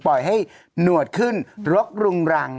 ปล่อยให้หนวดขึ้นรกรุงรัง